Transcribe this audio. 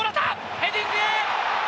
ヘディング！